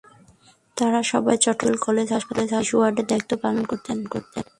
তাঁরা সবাই তখন চট্টগ্রাম মেডিকেল কলেজ হাসপাতালের শিশু ওয়ার্ডে দায়িত্ব পালন করতেন।